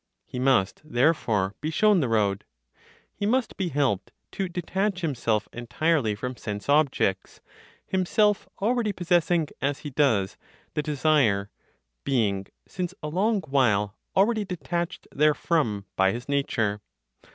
He must therefore be shown the road; he must be helped to detach himself entirely from sense objects, himself already possessing, as he does, the desire, being since a long while already detached therefrom by his nature.